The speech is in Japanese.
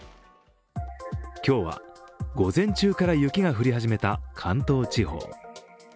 今日は午前中から雪が降り始めた関東地方。